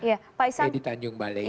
ya di tanjung balai